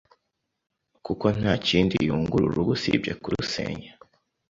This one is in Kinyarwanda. kuko nta kindi yungura urugo usibye kurusenya.